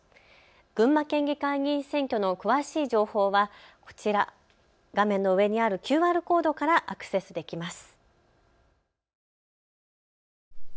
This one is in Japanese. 群馬県議会議員選挙の詳しい情報はこちら、画面の上にあるＱＲコードからアクセスできます。